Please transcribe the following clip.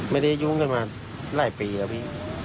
ไม่ได้ยุ่งกันมาหลายปีแล้วพี่